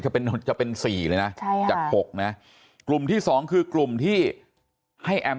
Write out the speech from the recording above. จะเป็นจะเป็น๔เลยนะจาก๖นะกลุ่มที่๒คือกลุ่มที่ให้แอม